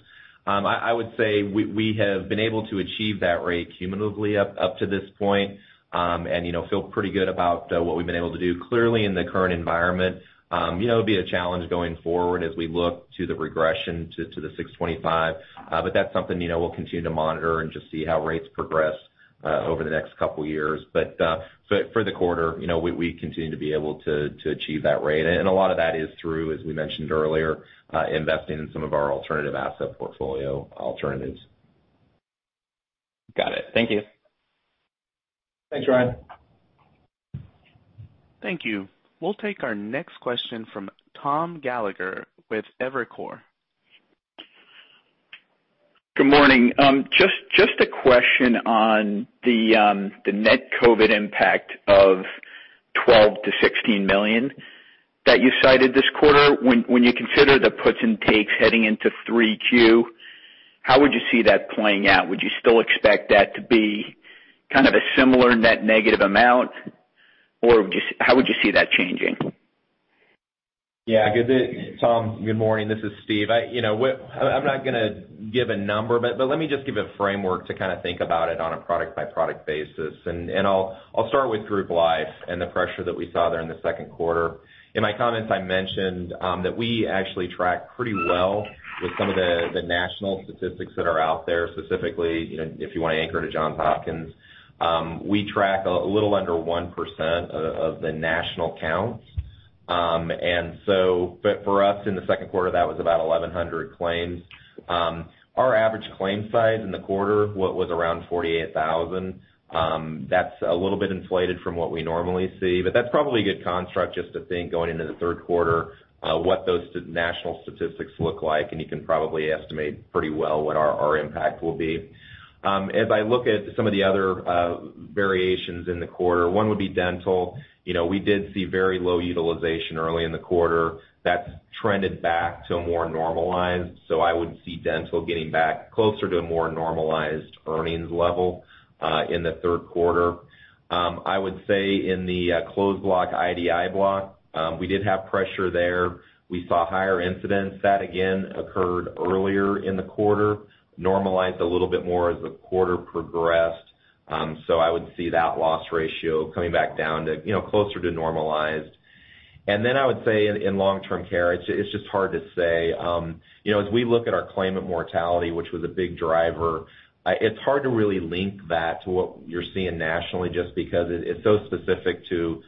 I would say we have been able to achieve that rate cumulatively up to this point, and feel pretty good about what we've been able to do. Clearly in the current environment, it'll be a challenge going forward as we look to the regression to the 625. That's something we'll continue to monitor and just see how rates progress over the next couple of years. For the quarter, we continue to be able to achieve that rate. A lot of that is through, as we mentioned earlier, investing in some of our alternative asset portfolio alternatives. Got it. Thank you. Thanks, Ryan. Thank you. We'll take our next question from Thomas Gallagher with Evercore. Good morning. Just a question on the net COVID impact of $12 million-$16 million that you cited this quarter. When you consider the puts and takes heading into 3Q, how would you see that playing out? Would you still expect that to be kind of a similar net negative amount, or how would you see that changing? Yeah. Tom, good morning. This is Steve. I'm not going to give a number, let me just give a framework to kind of think about it on a product by product basis. I'll start with Group Life and the pressure that we saw there in the second quarter. In my comments, I mentioned that we actually track pretty well with some of the national statistics that are out there, specifically if you want to anchor to Johns Hopkins. We track a little under 1% of the national counts. For us, in the second quarter, that was about 1,100 claims. Our average claim size in the quarter was around $48,000. That's a little bit inflated from what we normally see, but that's probably a good construct just to think going into the third quarter, what those national statistics look like, and you can probably estimate pretty well what our impact will be. As I look at some of the other variations in the quarter, one would be dental. We did see very low utilization early in the quarter. That's trended back to a more normalized. I would see dental getting back closer to a more normalized earnings level in the third quarter. I would say in the closed block, IDI block, we did have pressure there. We saw higher incidents. That again occurred earlier in the quarter, normalized a little bit more as the quarter progressed. I would see that loss ratio coming back down to closer to normalized. I would say in long-term care, it's just hard to say. As we look at our claimant mortality, which was a big driver, it's hard to really link that to what you're seeing nationally just because it's so specific to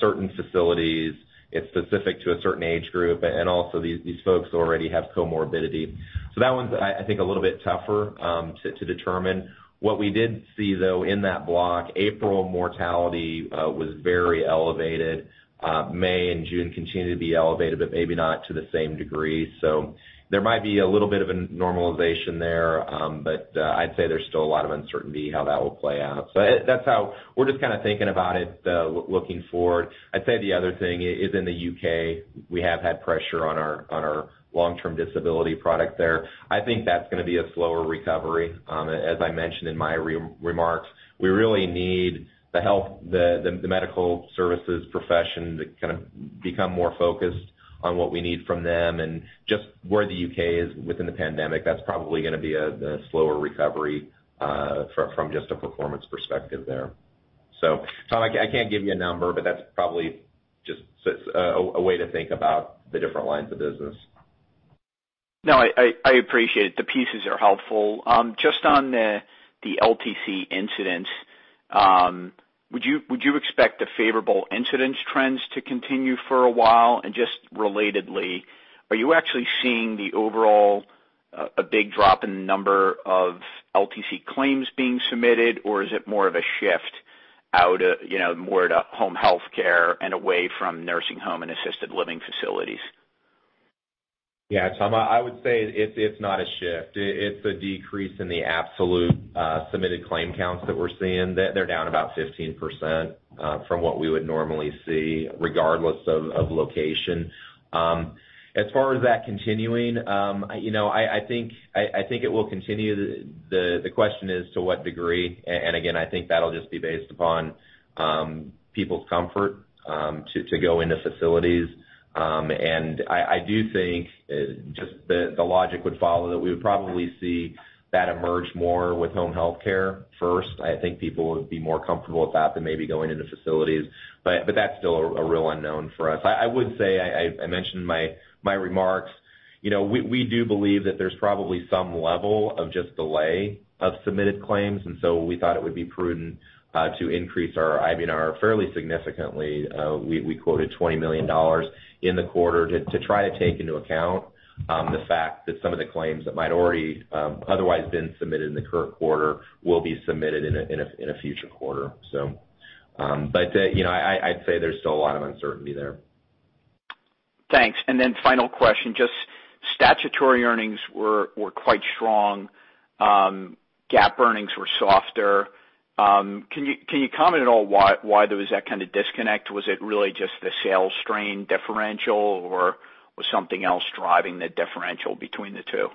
certain facilities. It's specific to a certain age group, and also these folks already have comorbidity. That one's, I think, a little bit tougher to determine. What we did see, though, in that block, April mortality was very elevated. May and June continued to be elevated, but maybe not to the same degree. There might be a little bit of a normalization there. I'd say there's still a lot of uncertainty how that will play out. That's how we're just kind of thinking about it, looking forward. I'd say the other thing is in the U.K., we have had pressure on our long-term disability product there. I think that's going to be a slower recovery. As I mentioned in my remarks, we really need the medical services profession to kind of become more focused on what we need from them and just where the U.K. is within the pandemic. That's probably going to be a slower recovery, from just a performance perspective there. Tom, I can't give you a number. That's probably just a way to think about the different lines of business. I appreciate it. The pieces are helpful. Just on the LTC incidence, would you expect the favorable incidence trends to continue for a while? Just relatedly, are you actually seeing the overall a big drop in the number of LTC claims being submitted, or is it more of a shift out, more to home health care and away from nursing home and assisted living facilities? Yeah. Tom, I would say it's not a shift. It's a decrease in the absolute submitted claim counts that we're seeing. They're down about 15% from what we would normally see, regardless of location. As far as that continuing, I think it will continue. The question is to what degree, and again, I think that'll just be based upon people's comfort to go into facilities. I do think just the logic would follow that we would probably see that emerge more with home health care first. I think people would be more comfortable with that than maybe going into facilities. That's still a real unknown for us. I would say, I mentioned in my remarks, we do believe that there's probably some level of just delay of submitted claims, and so we thought it would be prudent to increase our IBNR fairly significantly. We quoted $20 million in the quarter to try to take into account the fact that some of the claims that might already otherwise been submitted in the current quarter will be submitted in a future quarter. I'd say there's still a lot of uncertainty there. Thanks. Final question, just statutory earnings were quite strong. GAAP earnings were softer. Can you comment at all why there was that kind of disconnect? Was it really just the sales strain differential, or was something else driving the differential between the two?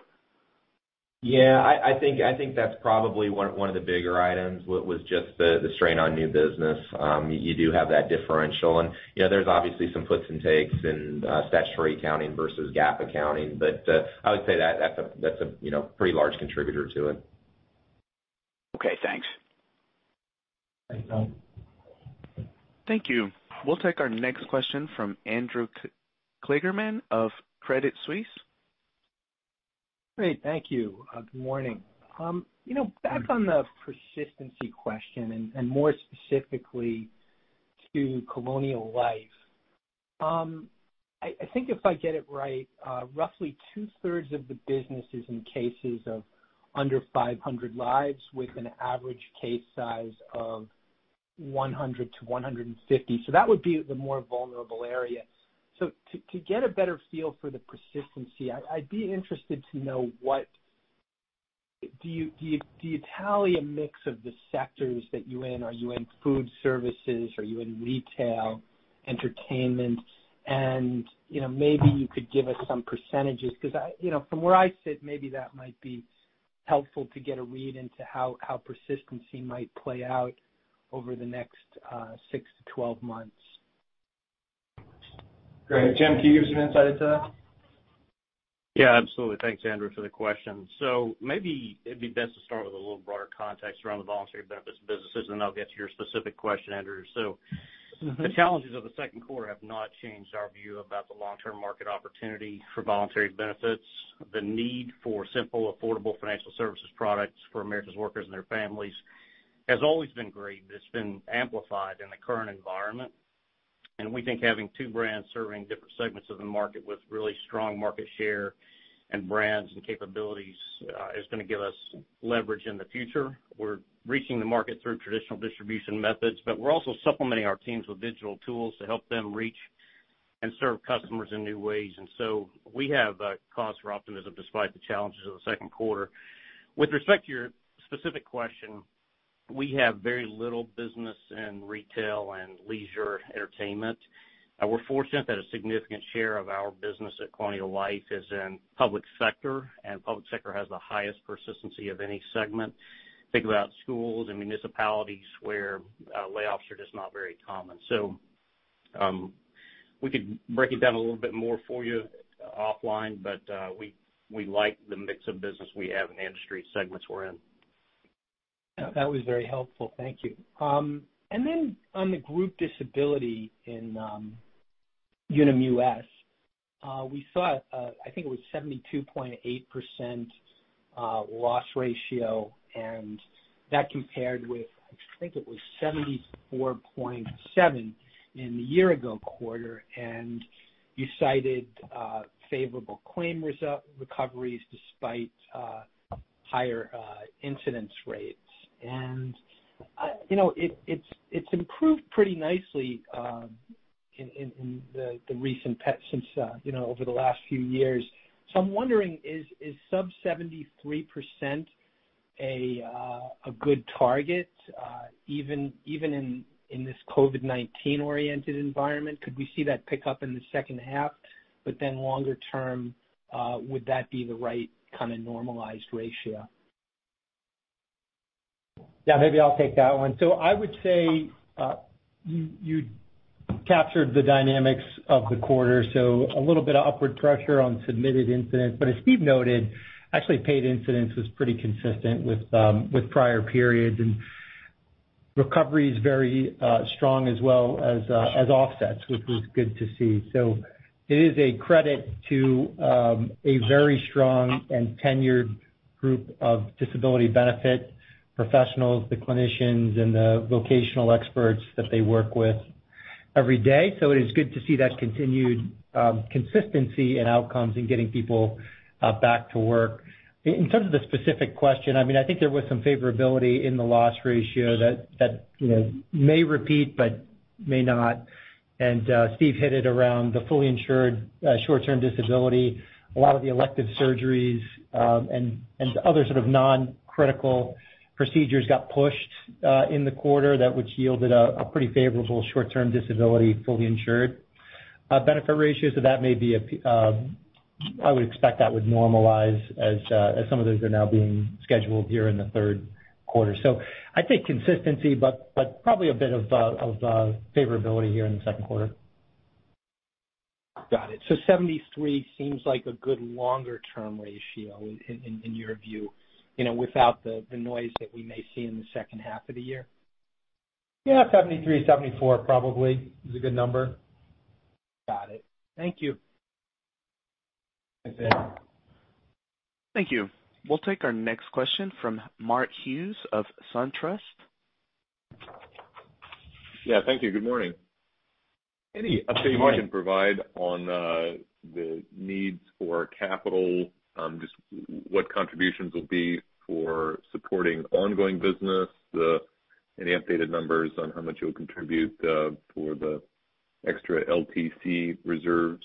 Yeah. I think that's probably one of the bigger items, was just the strain on new business. You do have that differential and there's obviously some puts and takes in statutory accounting versus GAAP accounting. I would say that's a pretty large contributor to it. Okay, thanks. Thank you. We'll take our next question from Andrew Kligerman of Credit Suisse. Great. Thank you. Good morning. Back on the persistency question, and more specifically to Colonial Life. I think if I get it right, roughly two-thirds of the business is in cases of under 500 lives with an average case size of 100 to 150. That would be the more vulnerable area. To get a better feel for the persistency, I'd be interested to know, do you tally a mix of the sectors that you're in? Are you in food services? Are you in retail, entertainment? Maybe you could give us some percentages, because from where I sit, maybe that might be helpful to get a read into how persistency might play out over the next six to 12 months. Great. Tim, can you give some insight into that? Yeah, absolutely. Thanks, Andrew, for the question. Maybe it'd be best to start with a little broader context around the voluntary benefits businesses, then I'll get to your specific question, Andrew. The challenges of the second quarter have not changed our view about the long-term market opportunity for voluntary benefits. The need for simple, affordable financial services products for America's workers and their families has always been great, but it's been amplified in the current environment. We think having two brands serving different segments of the market with really strong market share and brands and capabilities is going to give us leverage in the future. We're reaching the market through traditional distribution methods, but we're also supplementing our teams with digital tools to help them reach and serve customers in new ways. We have cause for optimism despite the challenges of the second quarter. With respect to your specific question, we have very little business in retail and leisure entertainment. We're fortunate that a significant share of our business at Colonial Life is in public sector, and public sector has the highest persistency of any segment. Think about schools and municipalities where layoffs are just not very common. We could break it down a little bit more for you offline, but we like the mix of business we have in the industry segments we're in. That was very helpful. Thank you. On the group disability in Unum US, we saw, I think it was 72.8% loss ratio, that compared with, I think it was 74.7% in the year ago quarter. You cited favorable claim results recoveries despite higher incidence rates. It's improved pretty nicely in the recent past since over the last few years. I'm wondering, is sub 73% a good target even in this COVID-19 oriented environment? Could we see that pick up in the second half? Longer term, would that be the right kind of normalized ratio? Yeah, maybe I'll take that one. I would say, you captured the dynamics of the quarter, a little bit of upward pressure on submitted incidents. As Steve noted, actually paid incidents was pretty consistent with prior periods and recovery is very strong as well as offsets, which was good to see. It is a credit to a very strong and tenured group of disability benefit professionals, the clinicians, and the vocational experts that they work with every day. It is good to see that continued consistency in outcomes in getting people back to work. In terms of the specific question, I think there was some favorability in the loss ratio that may repeat but may not. Steve hit it around the fully insured short-term disability. A lot of the elective surgeries and other sort of non-critical procedures got pushed in the quarter that which yielded a pretty favorable short-term disability, fully insured benefit ratio. That may be a I would expect that would normalize as some of those are now being scheduled here in the third quarter. I'd say consistency, but probably a bit of favorability here in the second quarter. Got it. 73 seems like a good longer-term ratio in your view, without the noise that we may see in the second half of the year? Yeah. 73, 74 probably is a good number. Got it. Thank you. Thanks. Thank you. We'll take our next question from Mark Hughes of Truist Securities. Thank you. Good morning. Any update you can provide on the needs for capital? Just what contributions will be for supporting ongoing business, any updated numbers on how much you'll contribute for the extra LTC reserves?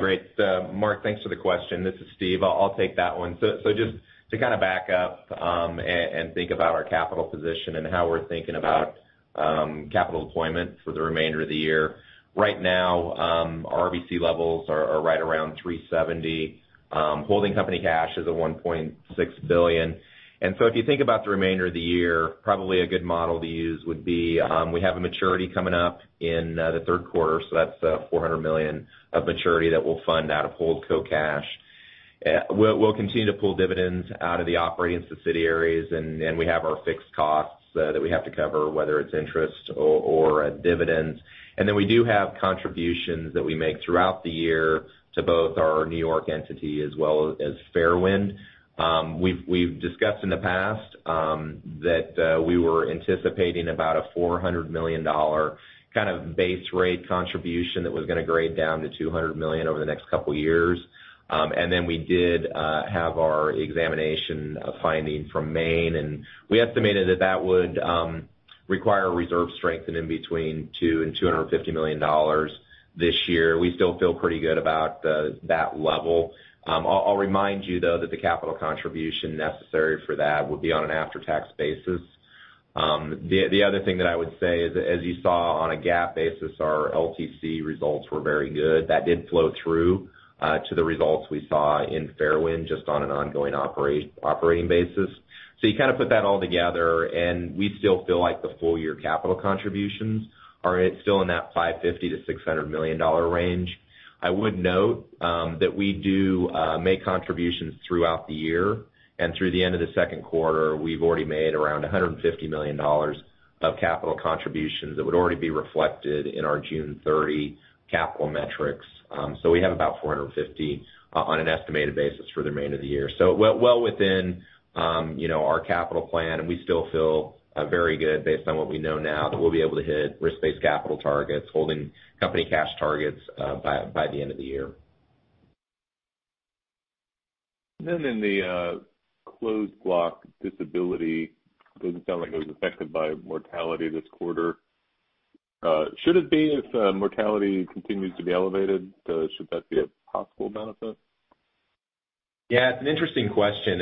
Great. Mark, thanks for the question. This is Steve. I'll take that one. Just to kind of back up and think about our capital position and how we're thinking about capital deployment for the remainder of the year. Right now, our RBC levels are right around 370. Holding company cash is at $1.6 billion. If you think about the remainder of the year, probably a good model to use would be, we have a maturity coming up in the third quarter, so that's $400 million of maturity that we'll fund out of holdco cash. We'll continue to pull dividends out of the operating subsidiaries, and we have our fixed costs that we have to cover, whether it's interest or dividends. We do have contributions that we make throughout the year to both our New York entity as well as Fairwind. We've discussed in the past that we were anticipating about a $400 million kind of base rate contribution that was going to grade down to $200 million over the next couple of years. We did have our examination finding from Maine, and we estimated that that would require reserve strengthening between $200 million-$250 million this year. We still feel pretty good about that level. I'll remind you, though, that the capital contribution necessary for that would be on an after-tax basis. The other thing that I would say is, as you saw on a GAAP basis, our LTC results were very good. That did flow through to the results we saw in Fairwind just on an ongoing operating basis. You kind of put that all together, and we still feel like the full-year capital contributions are still in that $550 million-$600 million range. I would note that we do make contributions throughout the year. Through the end of the second quarter, we've already made around $150 million of capital contributions that would already be reflected in our June 30 capital metrics. We have about $450 million on an estimated basis for the remainder of the year. Well within our capital plan, and we still feel very good based on what we know now, that we'll be able to hit risk-based capital targets, holding company cash targets by the end of the year. In the closed block disability, doesn't sound like it was affected by mortality this quarter. Should it be, if mortality continues to be elevated, should that be a possible benefit? It's an interesting question,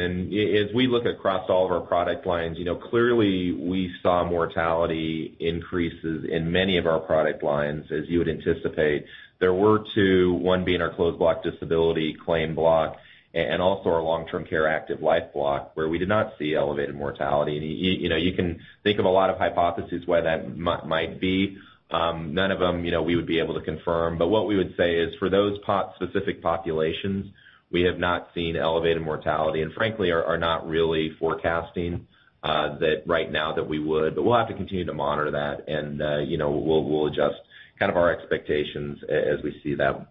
as we look across all of our product lines, clearly we saw mortality increases in many of our product lines, as you would anticipate. There were two, one being our closed block disability claim block, and also our long-term care active life block, where we did not see elevated mortality. You can think of a lot of hypotheses why that might be. None of them we would be able to confirm, but what we would say is, for those specific populations, we have not seen elevated mortality, and frankly, are not really forecasting that right now that we would. We'll have to continue to monitor that, and we'll adjust kind of our expectations as we see that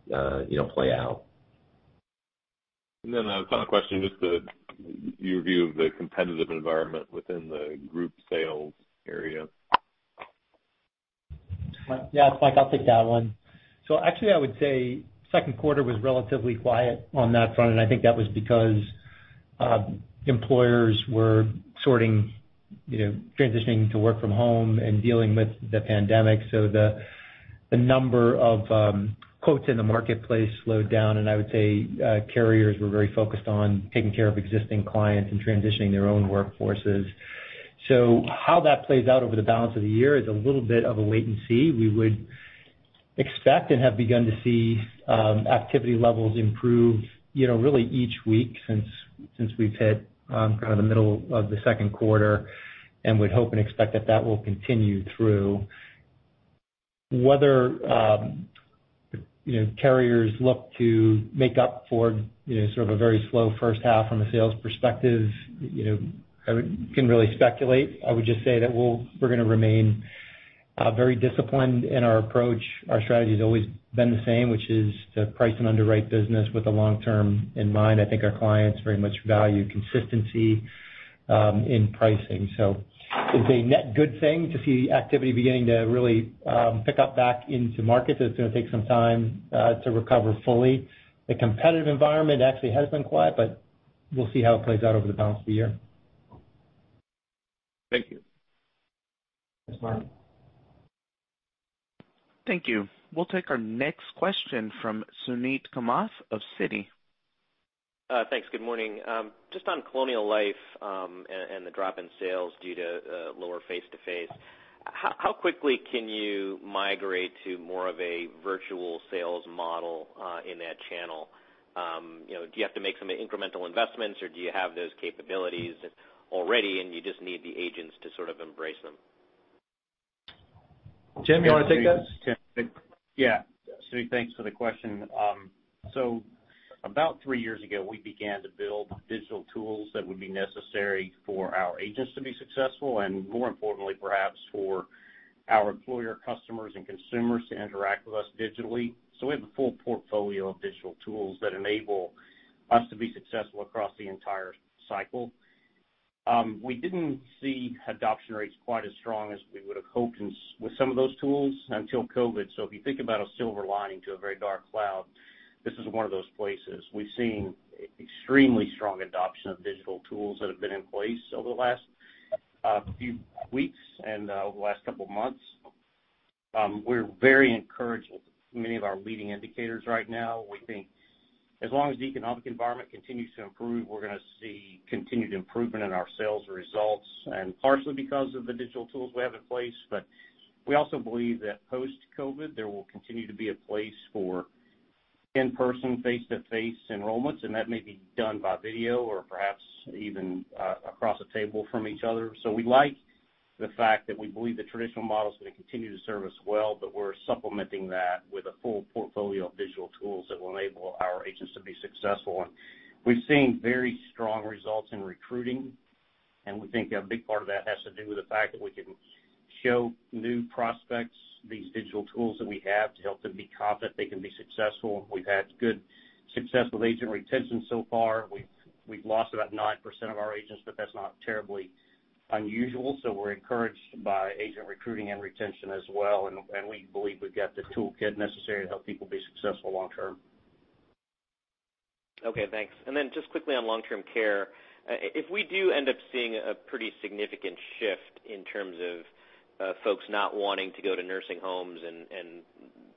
play out. A final question, just your view of the competitive environment within the group sales area. Yeah, Mike, I'll take that one. Actually, I would say second quarter was relatively quiet on that front, and I think that was because employers were sorting, transitioning to work from home and dealing with the pandemic. The number of quotes in the marketplace slowed down, and I would say carriers were very focused on taking care of existing clients and transitioning their own workforces. How that plays out over the balance of the year is a little bit of a wait and see. We would expect and have begun to see activity levels improve really each week since we've hit kind of the middle of the second quarter, and would hope and expect that that will continue through. Whether carriers look to make up for sort of a very slow first half from a sales perspective, I can't really speculate. I would just say that we're going to remain very disciplined in our approach. Our strategy's always been the same, which is to price and underwrite business with the long term in mind. I think our clients very much value consistency in pricing. It's a net good thing to see activity beginning to really pick up back into markets. It's going to take some time to recover fully. The competitive environment actually has been quiet, but we'll see how it plays out over the balance of the year. Thank you. Thanks, Mark. Thank you. We'll take our next question from Suneet Kamath of Citi. Thanks. Good morning. Just on Colonial Life, the drop in sales due to lower face-to-face, how quickly can you migrate to more of a virtual sales model in that channel? Do you have to make some incremental investments, or do you have those capabilities already and you just need the agents to sort of embrace them? Tim, you want to take that? Yeah. Thanks for the question. About three years ago, we began to build digital tools that would be necessary for our agents to be successful, and more importantly, perhaps for our employer, customers, and consumers to interact with us digitally. We have a full portfolio of digital tools that enable us to be successful across the entire cycle. We didn't see adoption rates quite as strong as we would've hoped with some of those tools until COVID. If you think about a silver lining to a very dark cloud, this is one of those places. We've seen extremely strong adoption of digital tools that have been in place over the last few weeks and over the last couple of months. We're very encouraged with many of our leading indicators right now. We think as long as the economic environment continues to improve, we're going to see continued improvement in our sales results, partially because of the digital tools we have in place. We also believe that post-COVID, there will continue to be a place for in-person face-to-face enrollments, and that may be done by video or perhaps even across a table from each other. We like the fact that we believe the traditional model is going to continue to serve us well, but we're supplementing that with a full portfolio of digital tools that will enable our agents to be successful. We've seen very strong results in recruiting, and we think a big part of that has to do with the fact that we can show new prospects these digital tools that we have to help them be confident they can be successful. We've had good success with agent retention so far. We've lost about 9% of our agents, that's not terribly unusual, we're encouraged by agent recruiting and retention as well, we believe we've got the toolkit necessary to help people be successful long term. Okay, thanks. Just quickly on long-term care. If we do end up seeing a pretty significant shift in terms of folks not wanting to go to nursing homes and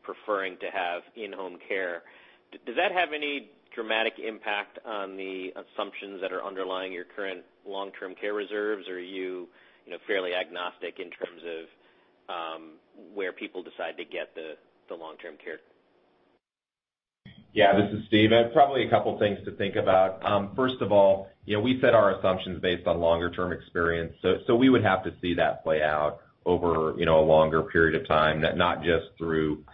preferring to have in-home care, does that have any dramatic impact on the assumptions that are underlying your current long-term care reserves? Are you fairly agnostic in terms of where people decide to get the long-term care? This is Steve. A couple of things to think about. First of all, we set our assumptions based on longer-term experience, so we would have to see that play out over a longer period of time, not just through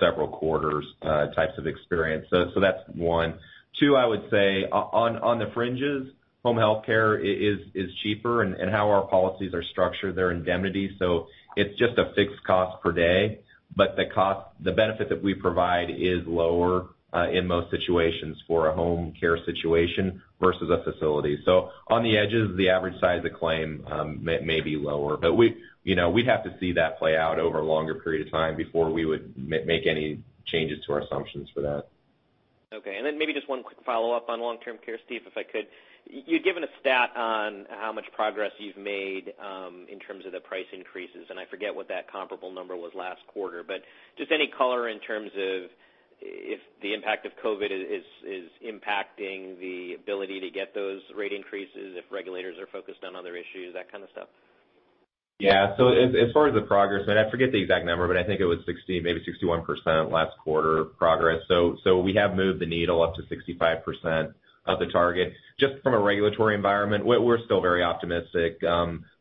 several quarters types of experience. That's one. Two, I would say on the fringes, home health care is cheaper, and how our policies are structured, they're indemnity, so it's just a fixed cost per day. The benefit that we provide is lower in most situations for a home care situation versus a facility. On the edges, the average size of claim may be lower. We'd have to see that play out over a longer period of time before we would make any changes to our assumptions for that. Okay. Maybe just one quick follow-up on long-term care, Steve, if I could. You'd given a stat on how much progress you've made in terms of the price increases, and I forget what that comparable number was last quarter. Just any color in terms of if the impact of COVID is impacting the ability to get those rate increases if regulators are focused on other issues, that kind of stuff? As far as the progress, and I forget the exact number, but I think it was 60, maybe 61% last quarter progress. We have moved the needle up to 65% of the target. Just from a regulatory environment, we're still very optimistic,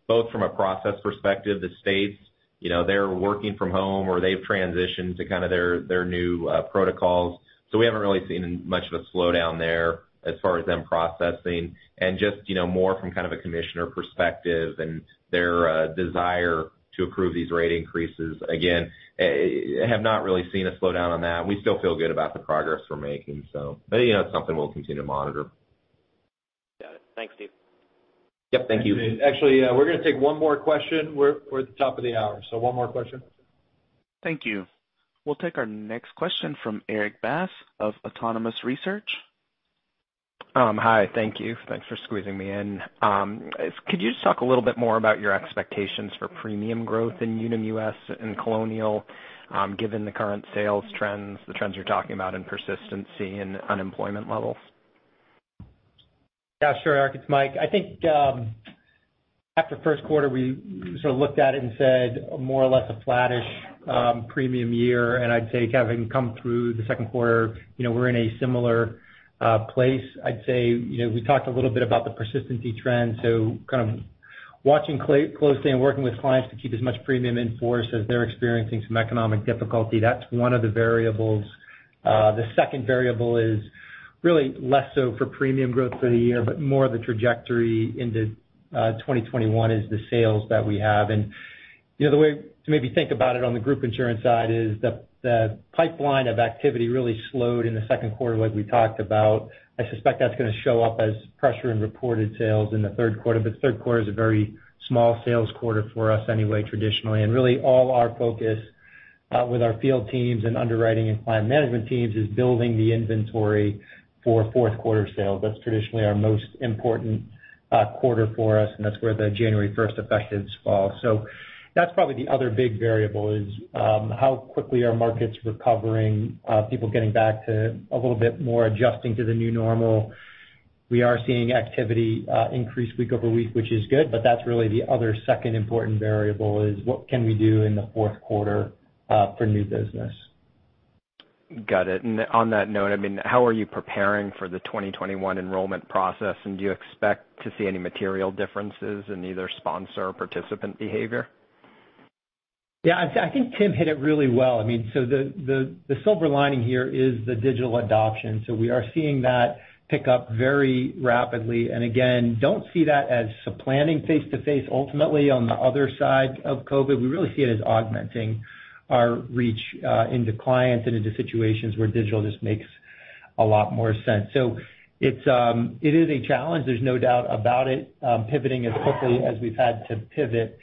both from a process perspective, the states, they're working from home or they've transitioned to kind of their new protocols. We haven't really seen much of a slowdown there as far as them processing. Just more from kind of a commissioner perspective and their desire to approve these rate increases, again, have not really seen a slowdown on that, and we still feel good about the progress we're making. It's something we'll continue to monitor. Got it. Thanks, Steve. Yep, thank you. Actually, we're going to take one more question. We're at the top of the hour, one more question. Thank you. We'll take our next question from Erik Bass of Autonomous Research. Hi. Thank you. Thanks for squeezing me in. Could you just talk a little bit more about your expectations for premium growth in Unum US and Colonial, given the current sales trends, the trends you're talking about in persistency and unemployment levels? Yeah, sure, Erik, it's Mike. I think after first quarter, we sort of looked at it and said more or less a flattish premium year. I'd say having come through the second quarter, we're in a similar place. I'd say we talked a little bit about the persistency trend, so kind of watching closely and working with clients to keep as much premium in force as they're experiencing some economic difficulty. That's one of the variables. The second variable is really less so for premium growth for the year, but more the trajectory into 2021 is the sales that we have. The way to maybe think about it on the group insurance side is the pipeline of activity really slowed in the second quarter like we talked about. I suspect that's going to show up as pressure in reported sales in the third quarter, but third quarter is a very small sales quarter for us anyway, traditionally. Really all our focus with our field teams and underwriting and client management teams is building the inventory for fourth quarter sales. That's traditionally our most important quarter for us, and that's where the January first effectives fall. That's probably the other big variable is how quickly are markets recovering, people getting back to a little bit more adjusting to the new normal. We are seeing activity increase week over week, which is good, but that's really the other second important variable is what can we do in the fourth quarter for new business. Got it. On that note, how are you preparing for the 2021 enrollment process, and do you expect to see any material differences in either sponsor or participant behavior? Yeah, I think Tim hit it really well. The silver lining here is the digital adoption. We are seeing that pick up very rapidly. And again, don't see that as supplanting face-to-face ultimately on the other side of COVID. We really see it as augmenting our reach into clients and into situations where digital just makes a lot more sense. It is a challenge, there's no doubt about it, pivoting as quickly as we've had to pivot.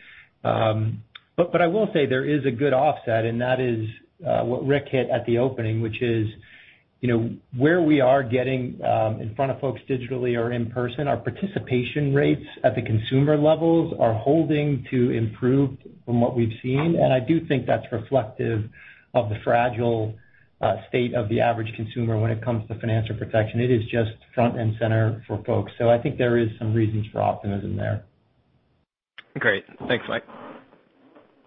I will say there is a good offset, and that is what Rick hit at the opening, which is where we are getting in front of folks digitally or in person, our participation rates at the consumer levels are holding to improve from what we've seen. I do think that's reflective of the fragile state of the average consumer when it comes to financial protection. It is just front and center for folks. I think there is some reasons for optimism there. Great. Thanks, Mike.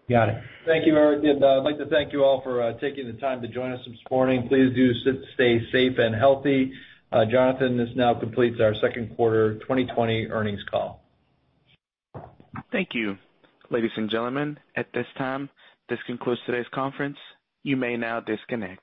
Got it. Thank you, Erik, and I'd like to thank you all for taking the time to join us this morning. Please do stay safe and healthy. Jonathan, this now completes our second quarter 2020 earnings call. Thank you. Ladies and gentlemen, at this time, this concludes today's conference. You may now disconnect.